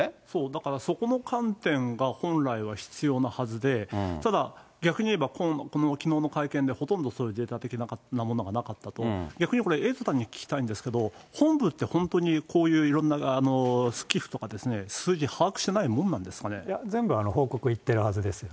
だからそこの観点が本来は必要なはずで、ただ、逆にいえば、このきのうの会見でほとんどそれ、データ的なものがなかったと、逆にこれ、エイトさんに聞きたいんですけど、本部って本当にこういういろんな寄付とか、数字、把握してないもんなんですかね。全部報告行ってるはずですよね。